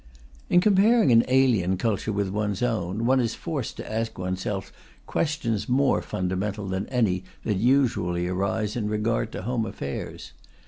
In comparing an alien culture with one's own, one is forced to ask oneself questions more fundamental than any that usually arise in regard to home affairs.